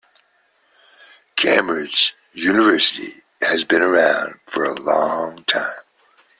Cambridge university has been around for a long time.